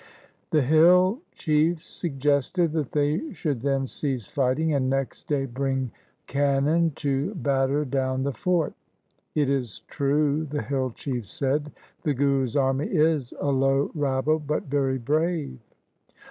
The hill chiefs suggested that they should then cease fighting, and next day bring cannon to batter down the fort. ' It is true,' the hill chiefs said, ' the Guru's army is a low rabble, but very brave.'